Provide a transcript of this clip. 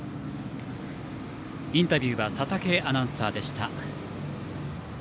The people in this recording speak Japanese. インタビューは佐竹アナウンサーでした。